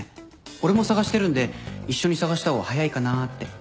俺も捜してるんで一緒に捜した方が早いかなって。